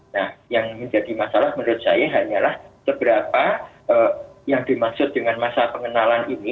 nah yang menjadi masalah menurut saya hanyalah seberapa yang dimaksud dengan masa pengenalan ini